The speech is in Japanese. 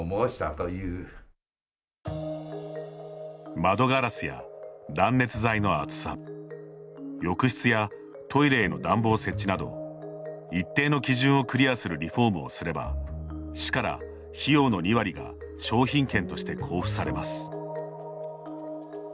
窓ガラスや断熱材の厚さ浴室やトイレへの暖房設置など一定の基準をクリアするリフォームをすれば市から費用の２割が商品券として交付されます。